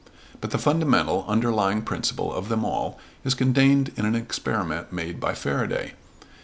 But the fundamental, underlying principle of them all is contained in an experiment made by Faraday.